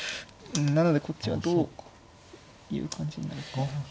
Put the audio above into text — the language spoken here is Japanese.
なのでこっちはどういう感じになるか。